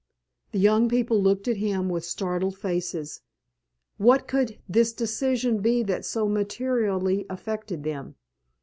The young people looked at him with startled faces. What could this decision be that so materially affected them?